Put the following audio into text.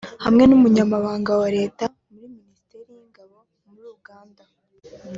hamwe n’umunyamabanga wa Leta muri Ministeri y’ingabo muri Uganda